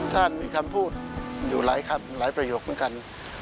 ท่านมีคำพูดอยู่หลายคำหลายประโยคเหมือนกัน